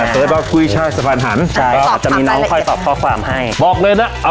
เสิร์ชว่ากุ้ยช่ายสะพานหันใช่ครับจะมีน้องค่อยตอบข้อความให้บอกเลยนะ